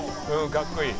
かっこいい。